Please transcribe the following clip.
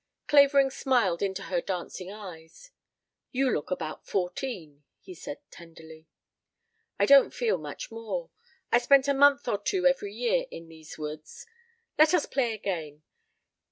Clavering smiled into her dancing eyes. "You look about fourteen," he said tenderly. "I don't feel much more. I spent a month or two every year in these woods let us play a game.